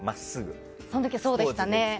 その時はそうでしたね。